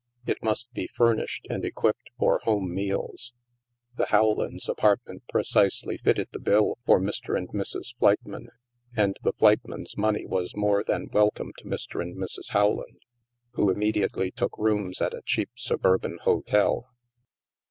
It must be furnished and equipped for home meals. The Howlands' apartment precisely filled the bill for Mr. and Mrs. Fleitmann, and the Fleitmanns' money was more than welcome to Mr. and Mrs. Howland, who immediately took rooms at a cheap suburban hotel.